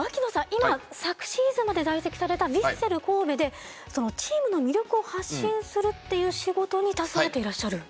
今昨シーズンまで在籍されたヴィッセル神戸でチームの魅力を発信するっていう仕事に携わっていらっしゃる？